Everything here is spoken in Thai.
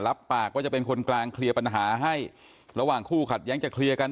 รับปากว่าจะเป็นคนกลางเคลียร์ปัญหาให้ระหว่างคู่ขัดแย้งจะเคลียร์กัน